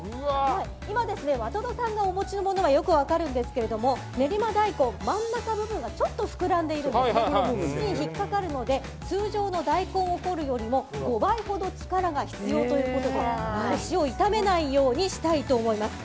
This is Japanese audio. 今、渡戸さんがお持ちのものはよく分かるんですけれども練馬大根真ん中の部分がちょっとふくらんでいて、引っかかるので通常の大根を掘るよりも５倍ほど力が必要ということで腰を痛めないようにしたいと思います。